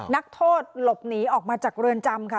นักโทษหลบหนีออกมาจากเรือนจำค่ะ